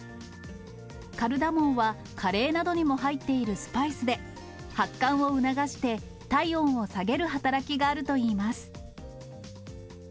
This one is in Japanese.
カルダモンは、カレーなどにも入っているスパイスで、発汗を促して、体温を下げる働きがあるといいます。